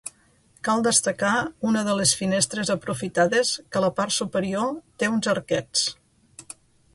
Cal destacar una de les finestres aprofitades que a la part superior té uns arquets.